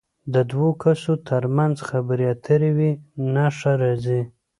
د دوو کسو تر منځ خبرې اترې وي نښه راځي.